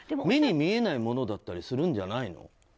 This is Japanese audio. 目に見えないものだったりするんじゃないの？